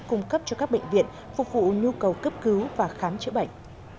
cung cấp cho các bệnh viện phục vụ nhu cầu cấp cứu và khám chữa bệnh